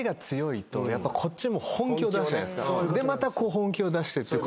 でまた本気を出してって。